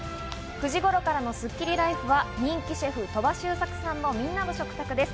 ９時頃からのスッキリＬＩＦＥは人気シェフ・鳥羽周作さんのみんなの食卓です。